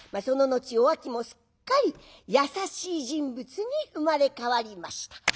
その後おあきもすっかり優しい人物に生まれ変わりました。